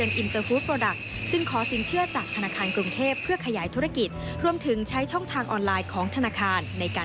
ในการจัดจำหน่ายค่ะ